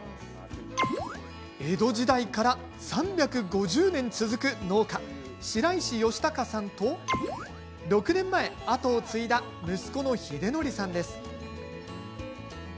江戸時代から３５０年続く農家白石好孝さんと６年前、後を継いだ息子の秀徳さん。